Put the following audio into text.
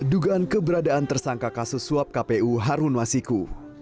dugaan keberadaan tersangka kasus suap kpu harun masiku